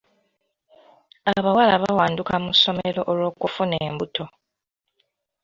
Abawala bawanduka mu ssomero olw'okufuna embuto.